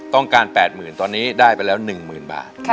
ต้องการ๘๐๐๐๐ตอนนี้ได้ไปแล้ว๑๐๐๐๐บาท